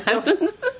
フフフフ。